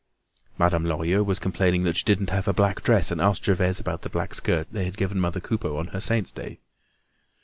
Madame Lorilleux was complaining that she didn't have a black dress and asked Gervaise about the black skirt they had given mother Coupeau on her saint's day.